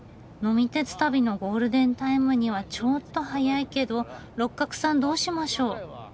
呑み鉄旅のゴールデンタイムにはちょっと早いけど六角さんどうしましょ？